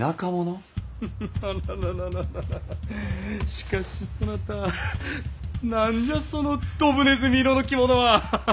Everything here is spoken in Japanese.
しかしそなた何じゃそのどぶねずみ色の着物は！